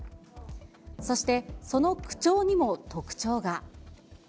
そして、その口調にも特徴が。